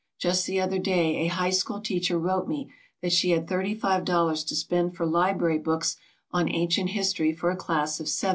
Just the other day a High School teacher wrote me she had $35 to spend for library books on Ancient History for a class of 70.